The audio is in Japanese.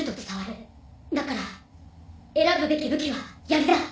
だから選ぶべき武器はやりだ。